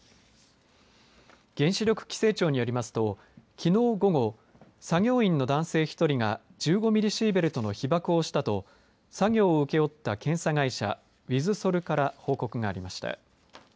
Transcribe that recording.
原子力規制庁によりますときのう午後、作業員の男性１人が１５ミリシーベルトの被ばくをしたと作業を請け負った検査会社ウィズソルから報告がありました。